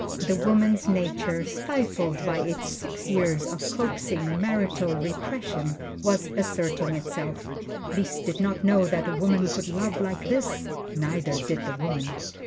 The woman's nature, stifled by its six years of coaxing marital repression, was asserting itself. Liszt did not know that a woman could love like this neither did the woman.